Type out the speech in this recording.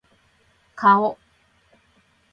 顔